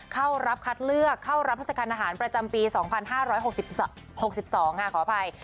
เข้ารับคัดเลือกเข้ารับราชการทหารประจำปี๒๕๖๒ค่ะขออภัย